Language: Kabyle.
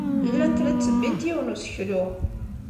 Llant la ttebbint yiwen n useklu.